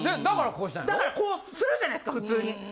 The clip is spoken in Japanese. だからこうするじゃないですか普通に。